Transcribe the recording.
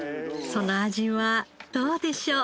その味はどうでしょう？